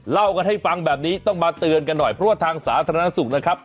เล่ากันให้ฟังแบบนี้ต้องมาเตือนกันหน่อยเพราะว่าทางสาธารณสุขนะครับ